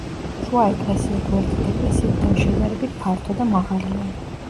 შუა ეკლესია გვერდით ეკლესიებთან შედარებით ფართო და მაღალია.